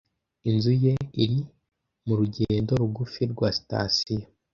Inzu ye iri mu rugendo rugufi rwa sitasiyo.